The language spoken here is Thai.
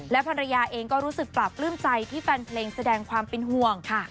ภรรยาเองก็รู้สึกปราบปลื้มใจที่แฟนเพลงแสดงความเป็นห่วงค่ะ